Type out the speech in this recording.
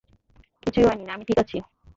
কিছুই হয়নি, আমি ঠিক আছি।